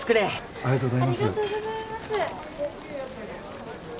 ありがとうございます。